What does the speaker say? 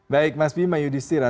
baik mas bima yudhistira